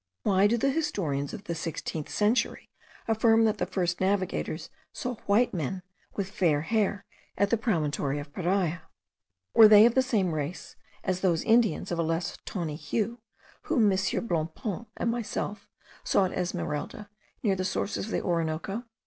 Why do the historians of the sixteenth century affirm that the first navigators saw white men with fair hair at the promontory of Paria? Were they of the same race as those Indians of a less tawny hue, whom M. Bonpland and myself saw at Esmeralda, near the sources of the Orinoco?